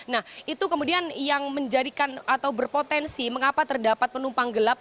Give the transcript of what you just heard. nah itu kemudian yang menjadikan atau berpotensi mengapa terdapat penumpang gelap